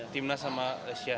timnas sama lesia